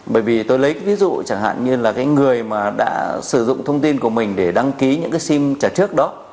bởi vì tôi lấy ví dụ chẳng hạn như là cái người mà đã sử dụng thông tin của mình để đăng ký những cái sim trả trước đó